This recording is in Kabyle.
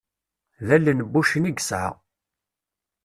D allen n wuccen i yesɛa.